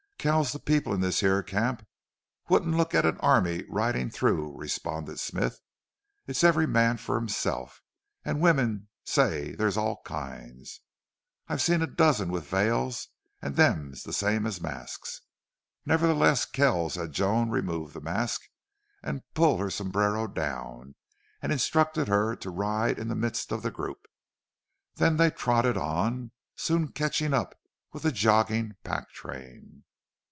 "Kells, the people in this here camp wouldn't look at an army ridin' through," responded Smith. "It's every man fer hisself. An' wimmen, say! there's all kinds. I seen a dozen with veils, an' them's the same as masks." Nevertheless, Kells had Joan remove the mask and pull her sombrero down, and instructed her to ride in the midst of the group. Then they trotted on, soon catching up with the jogging pack train.